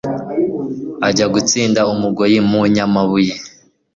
Ajya gutsinda Umugoyi mu Nyamabuye.